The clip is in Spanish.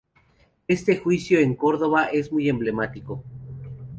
Este juicio en Córdoba es muy emblemático.